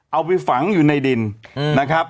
เอาไปฝังอยู่ในดินนะครับ